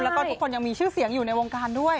แล้วก็ทุกคนยังมีชื่อเสียงอยู่ในวงการด้วย